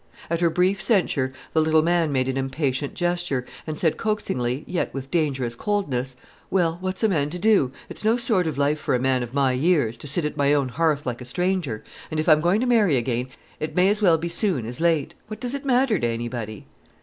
At her brief censure the little man made an impatient gesture, and said coaxingly, yet with dangerous coldness: "Well, what's a man to do? It's no sort of life for a man of my years, to sit at my own hearth like a stranger. And if I'm going to marry again it may as well be soon as late—what does it matter to anybody?"